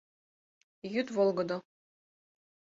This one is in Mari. Йӱд волгыдо.